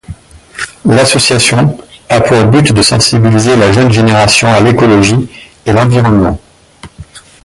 L'association a aussi pour but de sensibiliser la jeune génération a l'écologie et l'environnement.